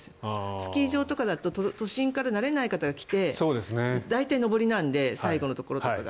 スキー場とかだと都心から慣れない方が来て大体、上りなので最後のところとかが。